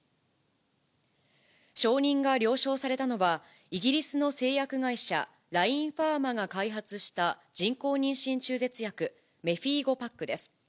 承認が了承されたのは、イギリスの製薬会社、ラインファーマが開発した人工妊娠中絶薬、メフィーゴパックです。